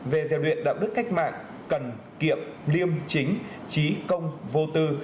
về rèn luyện đạo đức cách mạng cần kiệm liêm chính trí công vô tư